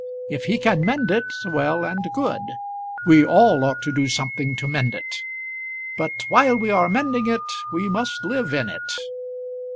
If he can mend it, well and good; we all ought to do something to mend it; but while we are mending it we must live in it."